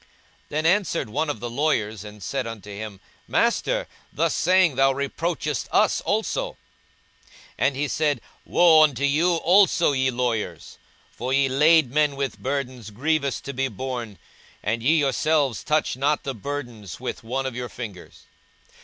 42:011:045 Then answered one of the lawyers, and said unto him, Master, thus saying thou reproachest us also. 42:011:046 And he said, Woe unto you also, ye lawyers! for ye lade men with burdens grievous to be borne, and ye yourselves touch not the burdens with one of your fingers.